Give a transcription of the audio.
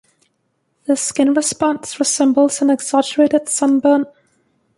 The skin response resembles an exaggerated sunburn.